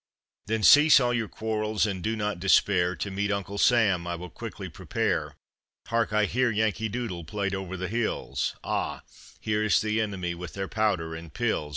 Then cease all your quarrels and do not despair, To meet Uncle Sam I will quickly prepare. Hark! I hear Yankee Doodle played over the hills! Ah! here's the enemy with their powder and pills.